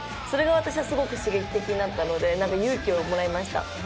それが私はすごく刺激的になったので勇気をもらいました。